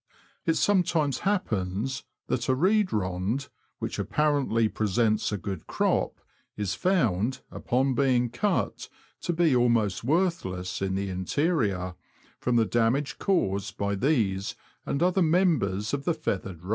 It sometimes happens that a reed rond, which apparently presents a good crop, is found, upon being cut, to be almost worthless in the interior, from the damage caused by these and other members of the feathered race.